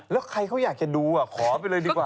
แล้วใครเขาอยากจะดูขอไปเลยดีกว่า